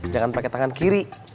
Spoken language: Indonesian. jangan pakai tangan kiri